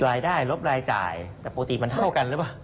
รายได้ลบรายจ่ายแต่ปกติมันเท่ากันหรือเปล่า